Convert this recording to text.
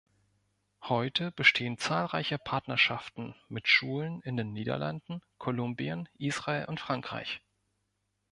Heute bestehen zahlreiche Partnerschaften mit Schulen in den Niederlanden, Kolumbien, Israel und Frankreich.